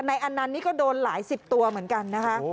อันนั้นนี่ก็โดนหลายสิบตัวเหมือนกันนะคะ